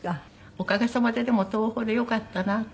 おかげさまででも東宝でよかったなって。